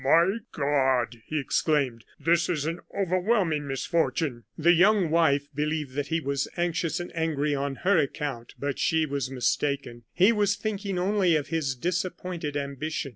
"My God!" he exclaimed; "this is an overwhelming misfortune." The young wife believed that he was anxious and angry on her account. But she was mistaken. He was thinking only of his disappointed ambition.